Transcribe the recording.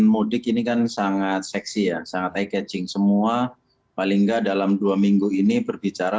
mudik ini kan sangat seksi ya sangat eye catching semua paling nggak dalam dua minggu ini berbicara